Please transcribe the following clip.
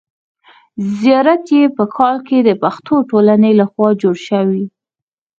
زیارت یې په کال کې د پښتو ټولنې له خوا جوړ شوی.